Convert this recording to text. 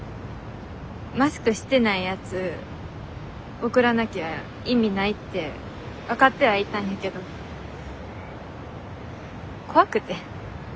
マスクしてないやつ送らなきゃ意味ないって分かってはいたんやけど怖くて。